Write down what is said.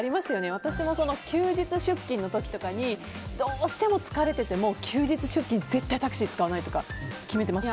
私も休日出勤の時とかにどうしても疲れても休日出勤タクシー使わないとか決めてます。